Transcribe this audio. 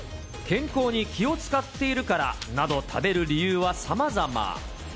健康に気を遣っているからなど、食べる理由はさまざま。